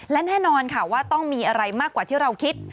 และแน่นอนค่ะว่าต้องมีอะไรมากกว่าที่เราคิด